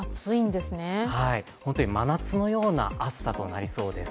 本当に真夏のような暑さとなりそうです。